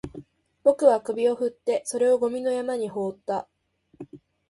僕は首を振って、それをゴミの山に放った